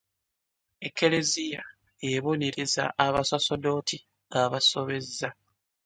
Ekelezia ebonereza abasosodoti abasobeza.